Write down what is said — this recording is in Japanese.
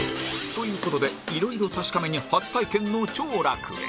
という事でいろいろ確かめに初体験の兆楽へ